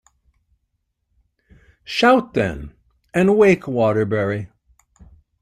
Shout, then, and wake Waterbury.